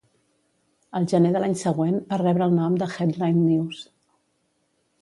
Al gener de l'any següent, va rebre el nom de Headline News.